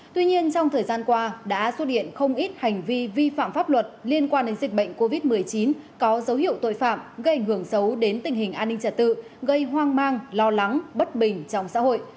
tuy nhiên trong thời gian qua đã xuất hiện không ít hành vi vi phạm pháp luật liên quan đến dịch bệnh covid một mươi chín có dấu hiệu tội phạm gây ảnh hưởng xấu đến tình hình an ninh trật tự gây hoang mang lo lắng bất bình trong xã hội